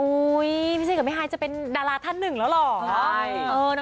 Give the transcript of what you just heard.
โอ้ยพี่เจษฐกับพี่ฮายจะเป็นดาราท่านหนึ่งแล้วหรอ